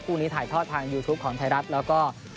คู่นี้ถ่ายทอดทางยูทูปของไทยรัฐแล้วก็